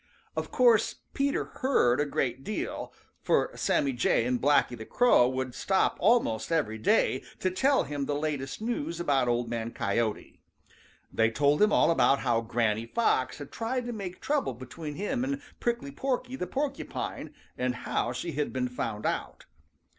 Of course Peter heard a great deal, for Sammy Jay and Blacky the Crow would stop almost every day to tell him the latest news about Old Man Coyote. They told him all about how Granny Fox had tried to make trouble between him and Prickly Porky the Porcupine, and how she had been found out.